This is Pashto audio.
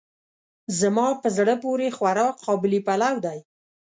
زما په زړه پورې خوراک قابلي پلو دی.